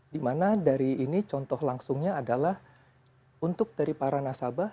dimana dari ini contoh langsungnya adalah untuk dari para nasabah